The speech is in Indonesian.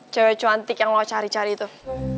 cewek cuantik yang lo cari cari tuh